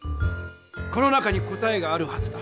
この中に答えがあるはずだ。